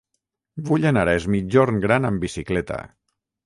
Vull anar a Es Migjorn Gran amb bicicleta.